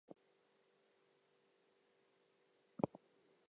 Finally the stock of food in the town ran out.